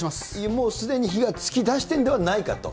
もうすでに火がつきだしてるんじゃないかと。